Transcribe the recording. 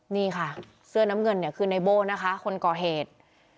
นี่ค่ะเสื้อน้ำเงินเนี่ยคือในโบ้นะคะคนก่อเหตุ